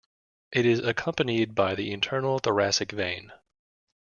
It is accompanied by the internal thoracic vein.